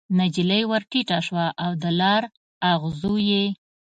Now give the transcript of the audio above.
نجلۍ ورټیټه شوه د لار اغزو یې